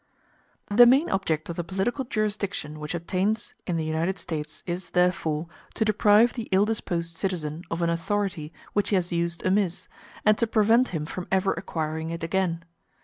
The main object of the political jurisdiction which obtains in the United States is, therefore, to deprive the ill disposed citizen of an authority which he has used amiss, and to prevent him from ever acquiring it again.